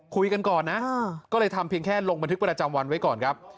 คุยกันก่อนนะก็เลยทำเพียงแค่ลงบันทึกประจำวันไว้ก่อนครับ